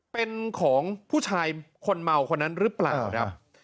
เป็นของผู้ชายคนเมาคนนั้นหรือเปล่าครับ